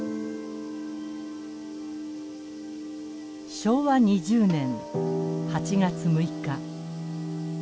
昭和２０年８月６日。